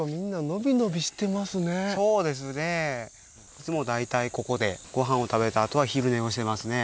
いつも大体ここでご飯を食べたあとは昼寝をしてますね。